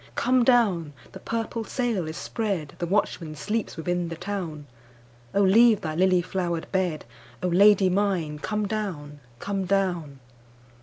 Come down! the purple sail is spread, The watchman sleeps within the town,O leave thy lily flowered bed,O Lady mine come down, come down!